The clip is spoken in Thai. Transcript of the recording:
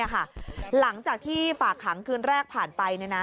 หลังจากที่ฝากขังคืนแรกผ่านไป